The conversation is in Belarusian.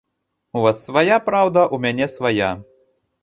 У вас свая праўда, у мяне свая.